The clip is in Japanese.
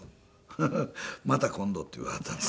「ハハ。また今度」って言わはったんです。